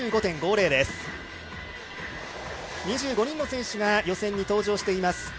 ２５人の選手が予選に登場しています。